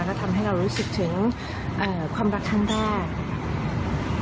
ก็ทำให้เรารู้สึกถึงความรักท่านแรก